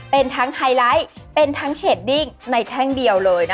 เป็นทั้งไฮไลท์เป็นทั้งเชดดิ้งในแท่งเดียวเลยนะคะ